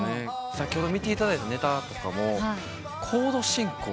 先ほど見ていただいたネタとかもコード進行